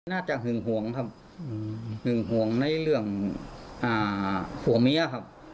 หึงห่วงครับหึงห่วงในเรื่องผัวเมียครับ